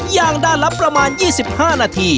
ย่างด้านละประมาณ๒๕นาที